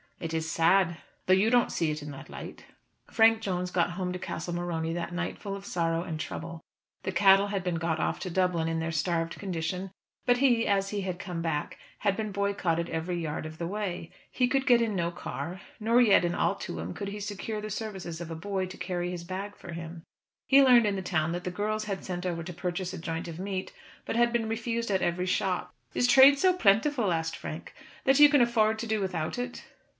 It is sad, though you don't see it in that light." Frank Jones got home to Castle Morony that night full of sorrow and trouble. The cattle had been got off to Dublin in their starved condition, but he, as he had come back, had been boycotted every yard of the way. He could get in no car, nor yet in all Tuam could he secure the services of a boy to carry his bag for him. He learned in the town that the girls had sent over to purchase a joint of meat, but had been refused at every shop. "Is trade so plentiful?" asked Frank, "that you can afford to do without it?"